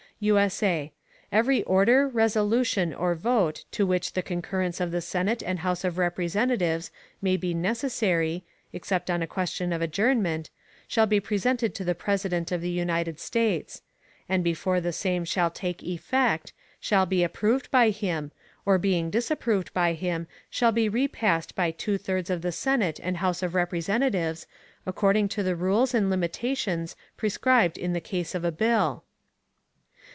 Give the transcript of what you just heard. _ [USA] Every Order, Resolution, or Vote to which the Concurrence of the Senate and House of Representatives may be necessary (except on a question of Adjournment) shall be presented to the President of the United States; and before the Same shall take Effect, shall be approved by him, or being disapproved by him, shall be repassed by two thirds of the Senate and House of Representatives, according to the Rules and Limitations prescribed in the Case of a Bill.